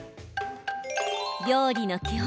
料理の基本